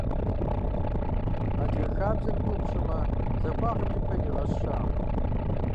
Адыгэ хабзэм и гугъу пщӀымэ – захуагъэм и пэ иригъэщ щыӀакъым.